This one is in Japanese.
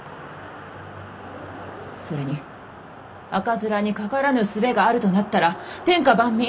それに赤面にかからぬ術があるとなったら天下万民